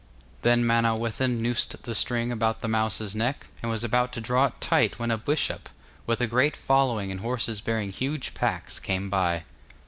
Then Manawyddan noosed the string about the mouse's neck, and was about to draw it tight when a bishop, with a great following and horses bearing huge packs, came by.